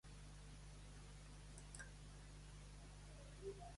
Com tots els jocs de Color Dreams, Robodemons no tenia llicència oficial de Nintendo.